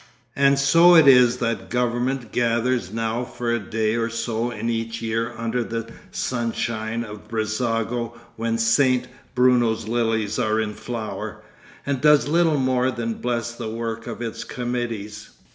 And so it is that government gathers now for a day or so in each year under the sunshine of Brissago when Saint Bruno's lilies are in flower, and does little more than bless the work of its committees.